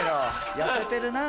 痩せてるなぁ。